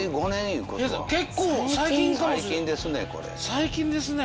最近ですね。